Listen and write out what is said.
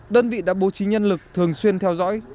đơn vị đã bố trí nhân lực thường xuyên theo dõi